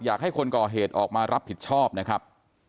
อยากให้คนก่อเหตุออกมารับผิดชอบนะครับ